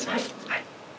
はい。